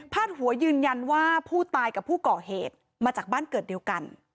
หัวยืนยันว่าผู้ตายกับผู้ก่อเหตุมาจากบ้านเกิดเดียวกัน